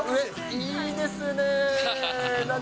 いいですね。